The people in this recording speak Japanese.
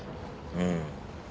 うん。